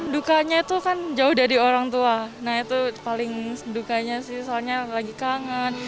dukanya itu kan jauh dari orang tua nah itu paling dukanya sih soalnya lagi kangen